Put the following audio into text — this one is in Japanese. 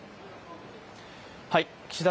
岸田